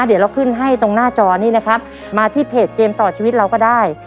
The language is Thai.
เดี๋ยวเราขึ้นให้ตรงหน้าจอนี้นะครับมาที่เพจเกมต่อชีวิตเราก็ได้